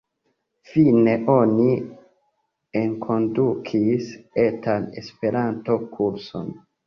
Fine oni enkondukis etan Esperanto kurson.